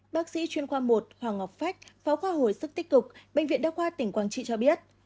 bác sĩ chuyên khoa một hoàng ngọc phách phó khoa hồi sức tích cực bệnh viện đa khoa tỉnh quảng trị cho biết